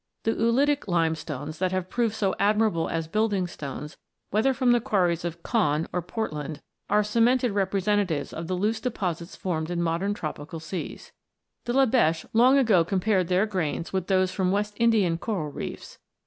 The Oolitic Limestones that have proved so admirable as building stones, whether from the quarries of Caen or Portland, are cemented repre sentatives of the loose deposits formed in modern tropical seas. De la Beche long ago compared their grains with those from West Indian coral reefs.